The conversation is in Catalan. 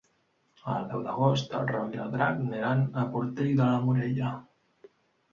El deu d'agost en Roc i en Drac aniran a Portell de Morella.